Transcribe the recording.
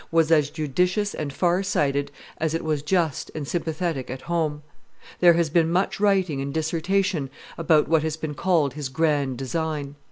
was as judicious and far sighted as it was just and sympathetic at home. There has been much writing and dissertation about what has been called his grand design.